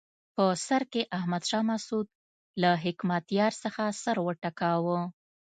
په سر کې احمد شاه مسعود له حکمتیار څخه سر وټکاوه.